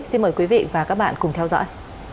xin mời quý vị và các bạn cùng theo dõi